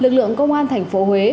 lực lượng công an thành phố huế